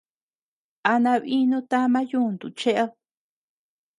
¿A nabinu tama yuntu cheʼed?